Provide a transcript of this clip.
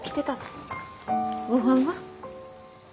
ごはんは？